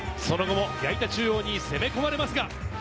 その後も矢板中央に攻め込まれますが。